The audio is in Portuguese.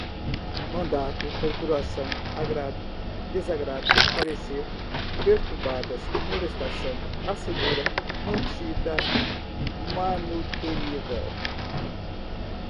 mandato, procuração, agrado, desagrado, parecer, perturbadas, molestação, assegura, mantida, manutenida